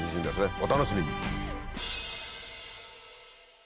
お楽しみに。